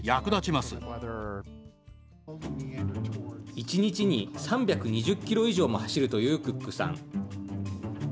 １日に３２０ｋｍ以上も走るというクックさん。